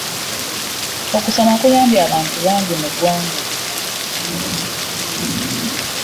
Okusoma kuyambye abantu bangi mu ggwanga.